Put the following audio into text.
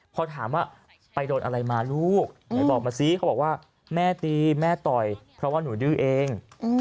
พอถามว่าไปโดนอะไรมาลูกไหนบอกมาซิเขาบอกว่าแม่ตีแม่ต่อยเพราะว่าหนูดื้อเอง